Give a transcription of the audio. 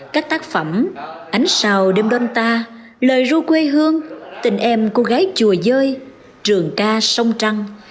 các tác phẩm ánh sào đêm đôn ta lời ru quê hương tình em cô gái chùa dơi trường ca sông trăng